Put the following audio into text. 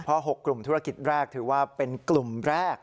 เพราะ๖กลุ่มธุรกิจแรกถือว่าเป็นกลุ่มแรก